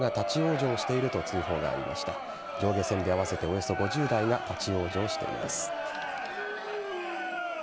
上下線で合わせておよそ５０台が立ち往生しています。